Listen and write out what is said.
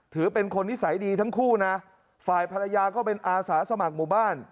ถือเป็นคนนิสัยดีทั้งคู่นะฝ่ายภรรยาก็เป็นอาสาสมัครหมู่บ้าน